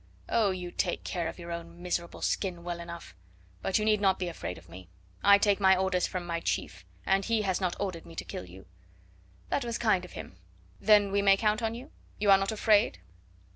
"Oh, you take care of your own miserable skin well enough! But you need not be afraid of me I take my orders from my chief, and he has not ordered me to kill you." "That was kind of him. Then we may count on you? You are not afraid?"